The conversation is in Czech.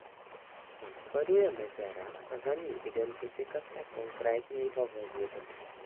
Následuje mezera a za ní identifikace konkrétního vozidla.